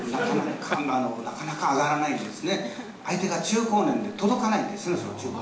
なかなか上がらないんですね、相手が中高年で、届かないんですね。